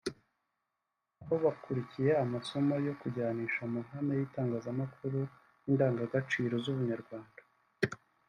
aho bakurikiye amasomo yo kujyanisha amahame y’itangazamakuru n’indangagaciro z’ubunyarwanda